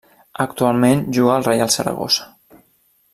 Actualment juga al Reial Saragossa.